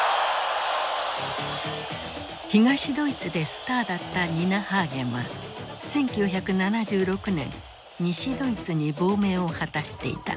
東ドイツでスターだったニナ・ハーゲンは１９７６年西ドイツに亡命を果たしていた。